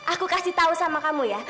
aku kasih tahu sama kamu ya